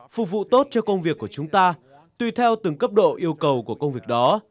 phục vụ tốt cho công việc của chúng ta tùy theo từng cấp độ yêu cầu của công việc đó